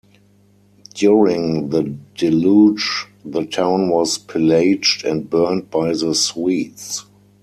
During The Deluge the town was pillaged and burnt by the Swedes.